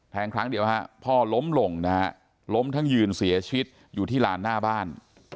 ครั้งเดียวฮะพ่อล้มลงนะฮะล้มทั้งยืนเสียชีวิตอยู่ที่ลานหน้าบ้าน